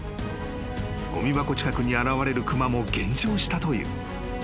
［ごみ箱近くに現れる熊も減少したという］